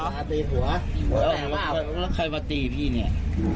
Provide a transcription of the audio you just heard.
นาตีหัวแล้วใครมาตีพี่เนี่ย